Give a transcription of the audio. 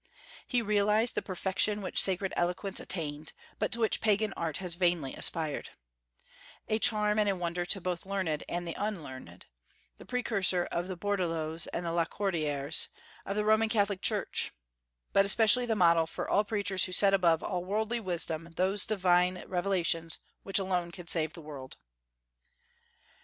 He realized the perfection which sacred eloquence attained, but to which Pagan art has vainly aspired, a charm and a wonder to both learned and unlearned, the precursor of the Bourdaloues and Lacordaires of the Roman Catholic Church, but especially the model for "all preachers who set above all worldly wisdom those divine revelations which alone can save the world."